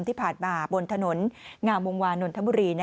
ที่ผ่านมาบนถนนงามวงวานนทบุรี